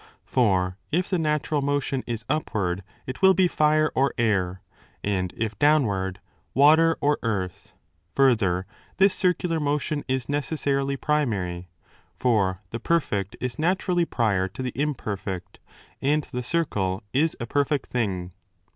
For if the natural motion is upward, it will be fire or air, and if downward, water or earth. Further, this circular motion is necessarily primary. For the 20 perfect is naturally prior to the imperfect, and the circle is a perfect thing.